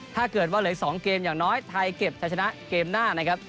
ถ้าเกิดว่าเหลือ๒เกมอย่างน้อยไทยเก็บจะชนะเกมหน้านะครับ